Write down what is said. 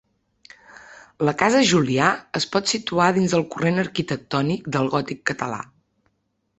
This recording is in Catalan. La casa Julià es pot situar dins el corrent arquitectònic del gòtic català.